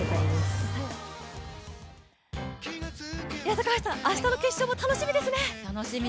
高橋さん、明日の決勝も楽しみですね。